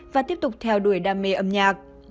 và tiếp tục theo đuổi đam mê âm nhạc